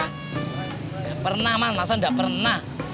nggak pernah bang masa enggak pernah